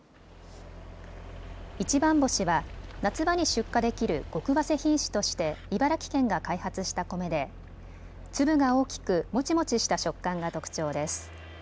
一番星は夏場に出荷できる極わせ品種として茨城県が開発した米で粒が大きくもちもちした食感が特徴です。